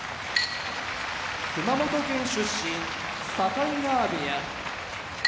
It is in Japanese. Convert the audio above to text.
熊本県出身境川部屋